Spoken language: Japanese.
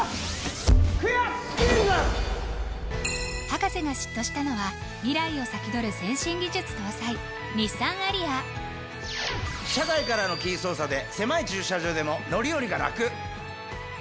博士が嫉妬したのは未来を先取る先進技術搭載日産アリア車外からのキー操作で狭い駐車場でも乗り降りがラク！